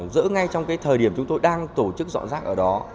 giỡn ngay trong thời điểm chúng tôi đang tổ chức dọn rác ở đó